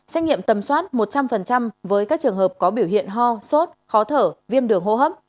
xét nghiệm tầm soát một trăm linh với các trường hợp có biểu hiện ho sốt khó thở viêm đường hô hấp